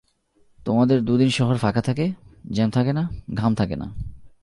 তোমাদের দুদিন শহর ফাঁকা থাকে, জ্যাম থাকে না, ঘাম থাকে না।